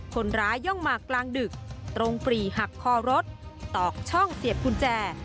ย่องมากลางดึกตรงปรีหักคอรถตอกช่องเสียบกุญแจ